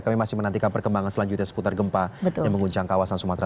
kami masih menantikan perkembangan selanjutnya seputar gempa yang mengguncang kawasan sumatera